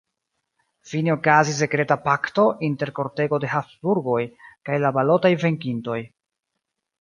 Fine okazis sekreta pakto inter kortego de Habsburgoj kaj la balotaj venkintoj.